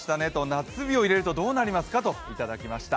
夏日を入れるとどうなりますか？といただきました。